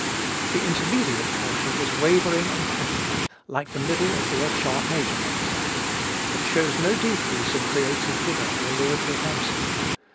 The intermediate portion is wavering and passionate, like the middle of the F sharp major Nocturne. It shows no decrease in creative vigor or lyrical fancy.